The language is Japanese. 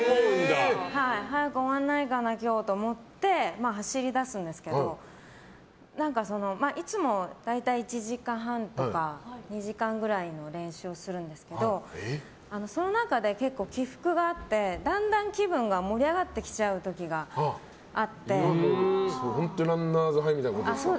早く終わらないかな今日と思って走り出すんですけどいつも大体１時間半とか２時間ぐらいの練習をするんですけどその中で結構、起伏があってだんだん気分が盛り上がってきちゃう時があって本当ランナーズハイみたいなことですか。